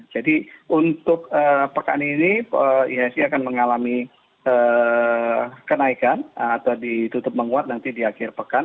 jadi untuk pekan ini iasg akan mengalami kenaikan atau ditutup menguat nanti di akhir pekan